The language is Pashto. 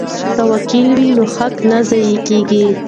که وکیل وي نو حق نه ضایع کیږي.